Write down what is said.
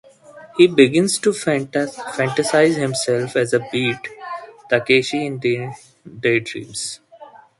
He begins to fantasize himself as 'Beat' Takeshi in daydreams.